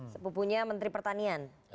sepupunya menteri pertanian